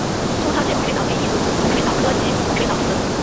粗糙棘猛水蚤为异足猛水蚤科棘猛水蚤属的动物。